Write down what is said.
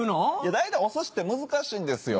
大体お寿司って難しいんですよ。